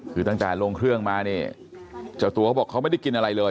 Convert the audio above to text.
คือตั้งแต่ลงเครื่องมาเนี่ยเจ้าตัวเขาบอกเขาไม่ได้กินอะไรเลย